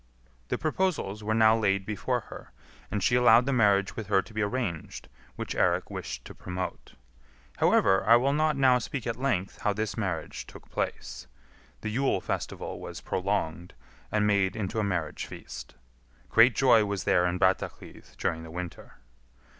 The proposals were now laid before her, and she allowed the marriage with her to be arranged which Eirik wished to promote. However, I will not now speak at length how this marriage took place; the Yule festival was prolonged and made into a marriage feast. Great joy was there in Brattahlid during the winter.